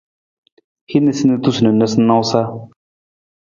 Hin niisaniisatu na noosanoosa.